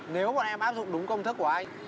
nếu bọn em áp dụng đúng công thức của anh